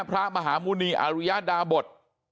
พระมหาหมุณีอรุยดาบท